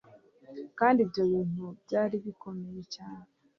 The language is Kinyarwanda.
kandi ibyo bintu byaribikomeye cyane